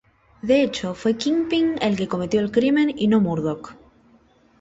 De hecho, fue Kingpin el que cometió el crimen y no Murdock.